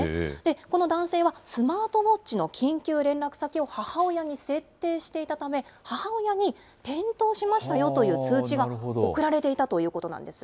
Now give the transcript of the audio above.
この男性は、スマートウォッチの緊急連絡先を母親に設定していたため、母親に転倒しましたよという通知が送られていたということなんです。